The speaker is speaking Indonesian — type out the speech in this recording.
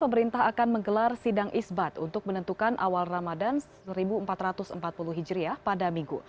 pemerintah akan menggelar sidang isbat untuk menentukan awal ramadan seribu empat ratus empat puluh hijriah pada minggu